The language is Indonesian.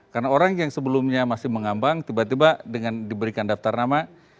karena orang yang sebelumnya masih mengambang tiba tiba dengan diberikan daftar nama